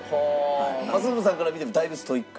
政伸さんから見てもだいぶストイック？